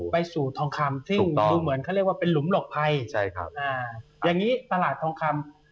ไปสู่ทองคำซึ่งดูเหมือนเขาเรียกว่าเป็นหลุมหลบภัยใช่ครับอ่าอย่างงี้ตลาดทองคำ